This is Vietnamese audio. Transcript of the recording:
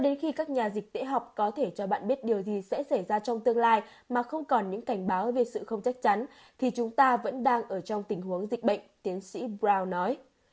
khi các nhà dịch tễ học có thể cho bạn biết điều gì sẽ xảy ra trong tương lai mà không còn những cảnh báo về sự không chắc chắn thì chúng ta vẫn đang ở trong tình huống dịch bệnh tiến sĩ brown nói